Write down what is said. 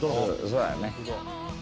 そうだね。